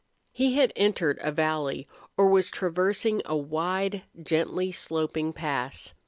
He had entered a valley or was traversing a wide, gently sloping pass.